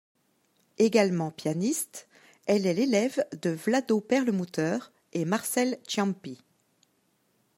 Egalement pianiste, elle est l'élève de Vlado Perlemuter et Marcel Ciampi.